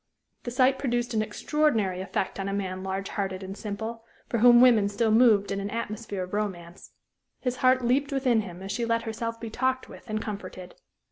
The sight produced an extraordinary effect on a man large hearted and simple, for whom women still moved in an atmosphere of romance. His heart leaped within him as she let herself be talked with and comforted.